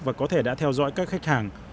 và có thể đã theo dõi các khách hàng